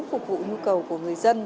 phục vụ nhu cầu của người dân